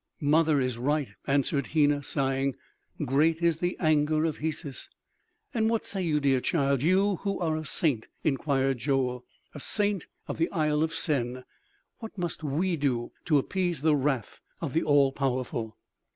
"Mother is right," answered Hena sighing; "Great is the anger of Hesus." "And what say you, dear child, you who are a saint," inquired Joel, "a saint of the Isle of Sen? What must we do to appease the wrath of the All Powerful?"